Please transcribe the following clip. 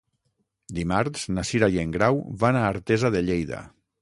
Dimarts na Cira i en Grau van a Artesa de Lleida.